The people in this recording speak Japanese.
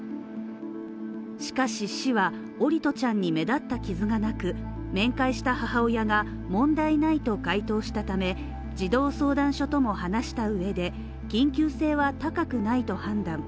しかし市は桜利斗ちゃんに目立った傷がなく面会した母親が問題ないと回答したため、児童相談所とも話した上で、緊急性は高くないと判断。